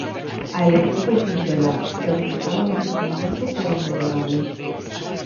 A elección foi sinxela, e o resultado nestes momentos é inmellorable.